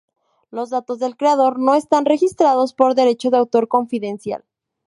Los datos del creador no están registrados por derecho de autor confidencial.